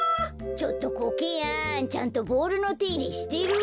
ちょっとコケヤンちゃんとボールのていれしてる？